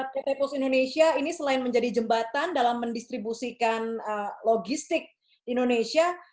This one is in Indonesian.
pt pos indonesia ini selain menjadi jembatan dalam mendistribusikan logistik indonesia